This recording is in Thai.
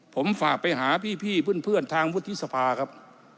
ผมฝากไปหาพี่พึ่นทางมธิสภาครับ